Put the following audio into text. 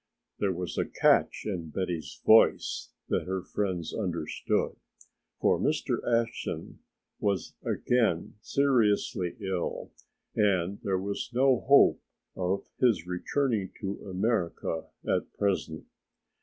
(There was a catch in Betty's voice that her friends understood, for Mr. Ashton was again seriously ill and there was no hope of his returning to America at present.)